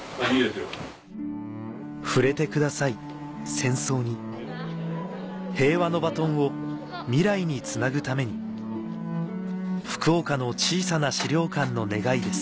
戦争に平和のバトンを未来につなぐために福岡の小さな資料館の願いです